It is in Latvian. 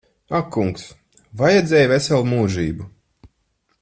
Ak kungs. Vajadzēja veselu mūžību.